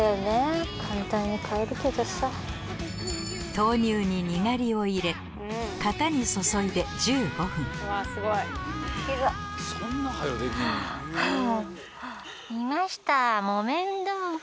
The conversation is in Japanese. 豆乳ににがりを入れ型に注いで１５分いました木綿豆腐。